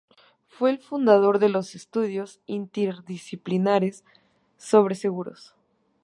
Fue el fundador de los estudios interdisciplinares sobre seguros.